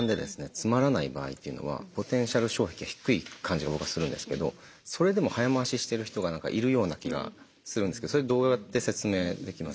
つまらない場合っていうのはポテンシャル障壁が低い感じが僕はするんですけどそれでも早回ししてる人がいるような気がするんですけどそれどうやって説明できます？